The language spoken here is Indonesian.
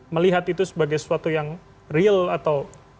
melihat itu sebagai sesuatu yang real atau